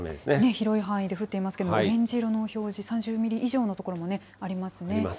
広い範囲で雨が降っていますけれども、オレンジ色の表示、３０ミあります。